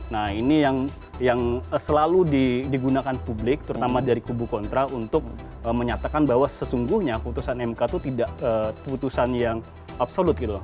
nah ini yang selalu digunakan publik terutama dari kubu kontra untuk menyatakan bahwa sesungguhnya putusan mk itu tidak putusan yang absolut gitu loh